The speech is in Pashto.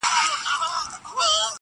دغو ورانو خرابو کي -